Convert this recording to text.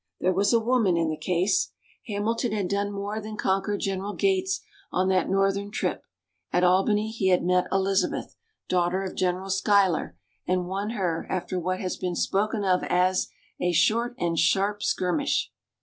There was a woman in the case. Hamilton had done more than conquer General Gates on that Northern trip; at Albany, he had met Elizabeth, daughter of General Schuyler, and won her after what has been spoken of as "a short and sharp skirmish."